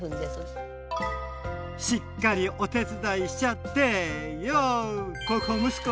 しっかりお手伝いしちゃってよっ孝行息子！